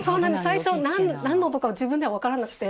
最初なんの音か自分ではわからなくて。